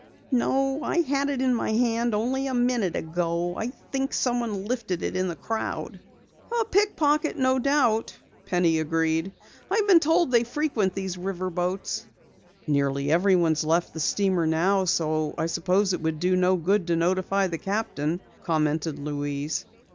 "No, I had it in my hand only a minute ago. I think someone lifted it in the crowd." "A pickpocket, no doubt," Penny agreed. "I've been told they frequent these river boats." "Nearly everyone has left the steamer now, so I suppose it would do no good to notify the captain," commented Louise.